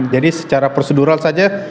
jadi secara prosedural saja